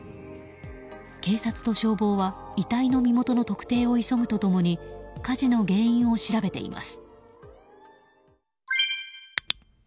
警察と消防は遺体の身元の特定を急ぐと共に火事の原因を調べています。